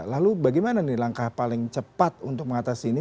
lalu bagaimana nih langkah paling cepat untuk mengatasi ini